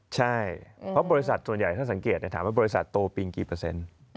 ใช่เพราะบริษัทส่วนใหญ่ถ้าสังเกตถามว่าบริษัทโตปิงกี่เปอร์เซ็นต์